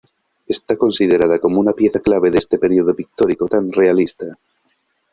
Está considerada como una pieza clave de este periodo pictórico tan realista.